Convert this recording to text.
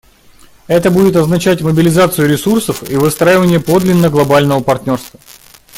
Это будет означать мобилизацию ресурсов и выстраивание подлинно глобального партнерства.